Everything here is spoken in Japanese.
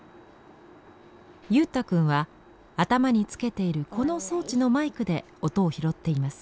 祐太君は頭につけているこの装置のマイクで音を拾っています。